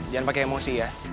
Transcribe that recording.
jangan pakai emosi ya